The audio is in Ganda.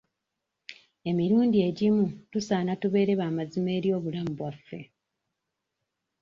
Emirundi egimu tusaana tubeere ba mazima eri obulamu bwaffe?